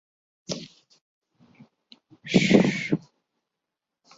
رواں ہے نبض دوراں گردشوں میں آسماں سارے